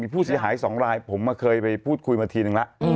ผู้เสียหาย๒รายผมเคยไปพูดคุยมาทีนึงแล้ว